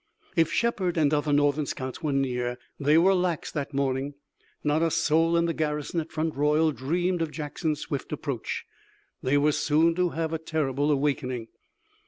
If Shepard and other Northern scouts were near, they were lax that morning. Not a soul in the garrison at Front Royal dreamed of Jackson's swift approach. They were soon to have a terrible awakening.